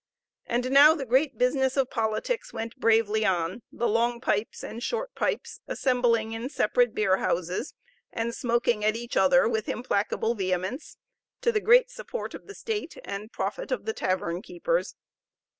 And now the great business of politics went bravely on, the Long Pipes and Short Pipes assemblings in separate beer houses, and smoking at each other with implacable vehemence, to the great support of the state and profit of the tavern keepers.